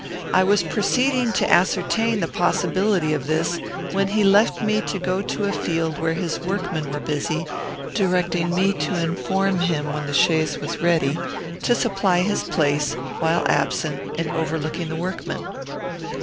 I was proceeding to ascertain the possibility of this when he left me to go to a field where his workmen were busy, directing me to inform him when the chaise was ready, to supply his place, while absent, in overlooking the workmen.